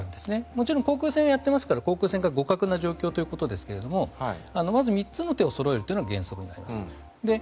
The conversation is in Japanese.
もちろん航空戦をやっていますから航空戦が互角な状況ということですけれどまず３つの手をそろえるというのが原則になります。